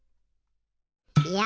いや。